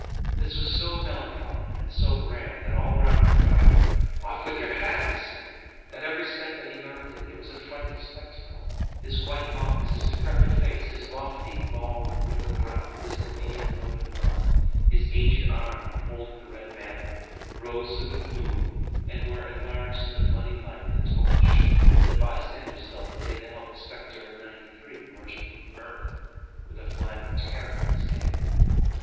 This was so melancholy and so grand that all around him cried: "Off with your hats!" At every step that he mounted, it was a frightful spectacle; his white locks, his decrepit face, his lofty, bald, and wrinkled brow, his amazed and open mouth, his aged arm upholding the red banner, rose through the gloom and were enlarged in the bloody light of the torch, and the bystanders thought that they beheld the spectre of '93 emerging from the earth, with the flag of terror in his hand.